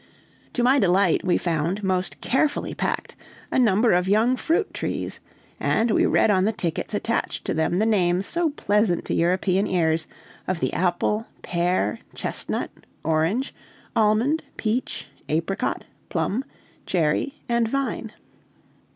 To my delight we found, most carefully packed, a number of young fruit trees: and we read on the tickets attached to them the names, so pleasant to European ears, of the apple, pear, chestnut, orange, almond, peach, apricot, plum, cherry, and vine.